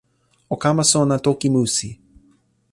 o kama sona toki musi